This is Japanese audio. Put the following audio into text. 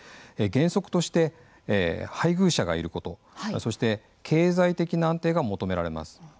原則として配偶者がいることそして経済的な安定が求められます。